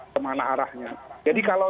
kemana arahnya jadi kalau